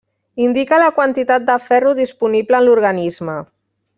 Indica la quantitat de ferro disponible en l'organisme.